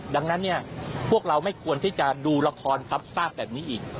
ดังนั้นเนี่ยพวกเราไม่ควรที่จะดูละครซับซากแบบนี้อีก